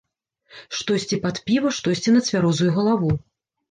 Штосьці пад піва, штосьці на цвярозую галаву.